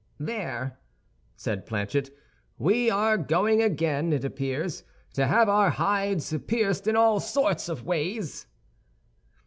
"There!" said Planchet. "We are going again, it appears, to have our hides pierced in all sorts of ways."